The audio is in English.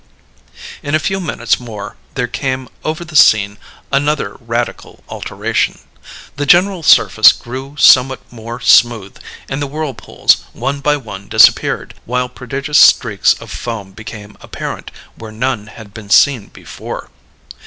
In a few minutes more there came over the scene another radical alteration. The general surface grew somewhat more smooth, and the whirlpools one by one disappeared, while prodigious streaks of foam became apparent where none had been seen before.